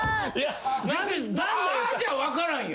「あー！」じゃ分からんよ。